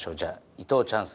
伊藤チャンス。